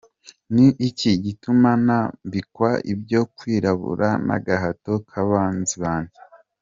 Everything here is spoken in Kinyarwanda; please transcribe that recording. Ni iki gituma nambikwa ibyo kwirabura n’agahato k’abanzi banjye?”